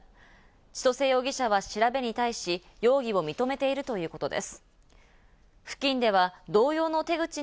千歳容疑者は調べに対し、容疑を認めているということです。